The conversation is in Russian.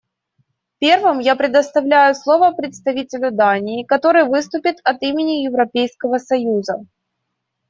Первым я предоставляю слово представителю Дании, который выступит от имени Европейского союза.